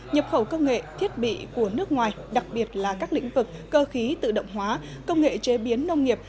nhập khẩu công nghệ thiết bị của nước ngoài đặc biệt là các lĩnh vực cơ khí tự động hóa công nghệ chế biến nông nghiệp